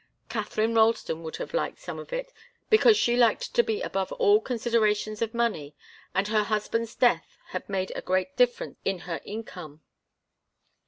Katharine Ralston would have liked some of it because she liked to be above all considerations of money, and her husband's death had made a great difference in her income.